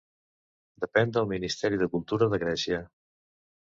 Depèn del Ministeri de Cultura de Grècia.